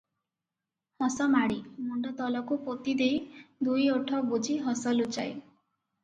ହସ ମାଡ଼େ, ମୁଣ୍ଡ ତଳକୁ ପୋତି ଦେଇ ଦୁଇ ଓଠ ବୁଜି ହସ ଲୁଚାଏ ।